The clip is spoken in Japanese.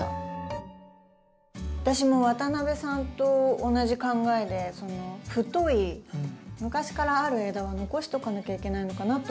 私も渡邊さんと同じ考えで太い昔からある枝は残しとかなきゃいけないのかなって思ってました。